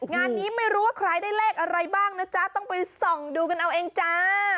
งานนี้ไม่รู้ว่าใครได้เลขอะไรบ้างนะจ๊ะต้องไปส่องดูกันเอาเองจ้า